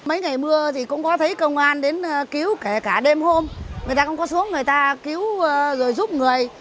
mấy ngày mưa thì cũng có thấy công an đến cứu kể cả đêm hôm người ta không có xuống người ta cứu rồi giúp người